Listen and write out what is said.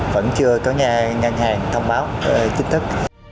vẫn chưa có nhà ngân hàng thông báo chính thức